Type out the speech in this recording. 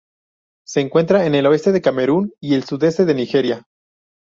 Se encuentra en el oeste de Camerún y el sudeste de Nigeria.